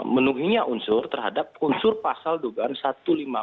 menunggu unsur terhadap unsur pasal dogan satu ratus lima puluh empat akuh pidana